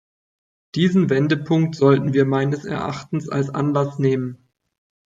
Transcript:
Diesen Wendepunkt sollten wir meines Erachtens als Anlass nehmen.